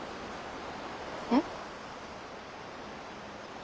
えっ？